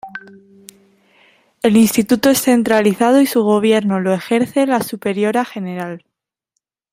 El instituto es centralizado y su gobierno lo ejerce la superiora general.